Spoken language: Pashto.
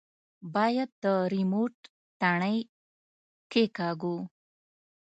بايد د ريموټ تڼۍ کښېکاږو.